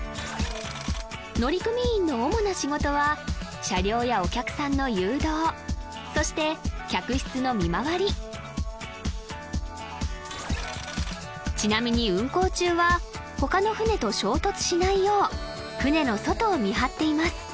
乗組員の主な仕事は車両やお客さんの誘導そして客室の見回りちなみに運航中は他の船と衝突しないよう船の外を見張っています